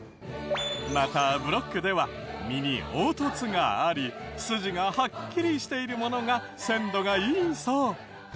またブロックでは身に凹凸があり筋がはっきりしているものが鮮度がいいそう。